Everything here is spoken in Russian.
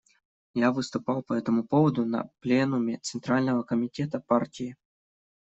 Я выступал по этому поводу на пленуме Центрального Комитета партии.